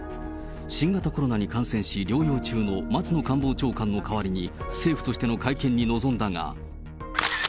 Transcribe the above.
新型コロナに感染し、療養中の松野官房長官の代わりに、政府としての会見に臨んだが。